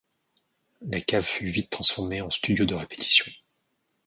La cave fut vite transformée en studio de répétition.